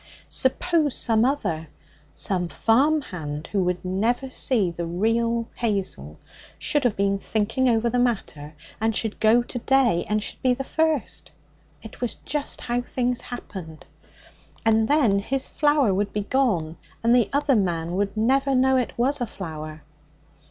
Suppose some other some farm hand, who would never see the real Hazel should have been thinking over the matter, and should go to day and should be the first? It was just how things happened. And then his flower would be gone, and the other man would never know it was a flower.